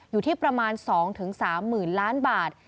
อยู่ที่ประมาณ๒๓๐๐๐ล้านบาท